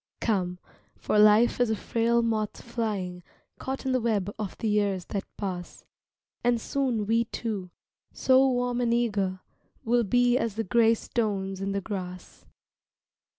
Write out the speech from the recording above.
Come, for life is a frail moth flying Caught in the web of the years that pass, And soon we two, so warm and eager Will be as the gray stones in the grass.